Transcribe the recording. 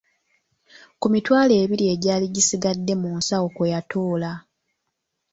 Ku mitwalo ebiri egyali gisigadde mu nsawo kwe yatoola.